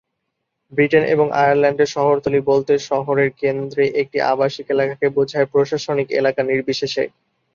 Britain এবং আয়ারল্যান্ডে শহরতলি বলতে শহরের কেন্দ্রে একটি আবাসিক এলাকাকে বোঝায়, প্রশাসনিক এলাকা নির্বিশেষে।